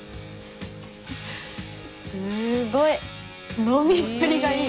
すごい。飲みっぷりがいい。